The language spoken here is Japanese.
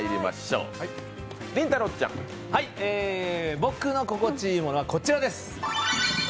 僕の心地いいものはこちらです。